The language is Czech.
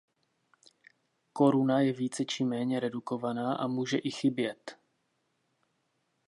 Koruna je více či méně redukovaná a může i chybět.